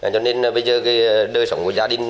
cho nên bây giờ đời sống của gia đình